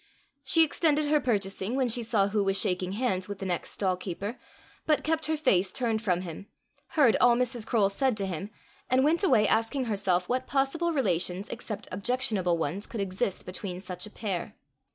She extended her purchasing when she saw who was shaking hands with the next stall keeper, but kept her face turned from him, heard all Mrs. Croale said to him, and went away asking herself what possible relations except objectionable ones could exist between such a pair.